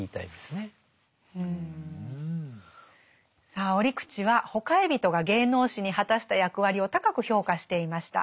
さあ折口はほかひびとが芸能史に果たした役割を高く評価していました。